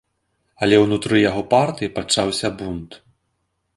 Але ўнутры яго партыі пачаўся бунт.